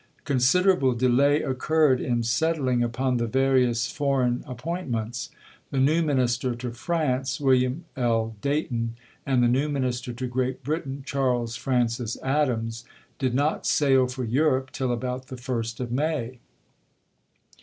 Considerable delay occurred in settling upon the various foreign appointments.. The new minister to France, William L. Dayton, and the new minister to Great Britain, Charles Francis Adams, did not sail for Europe till about the first 1861. of May.